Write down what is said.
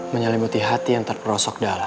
menyelimuti hati yang terperosok dalam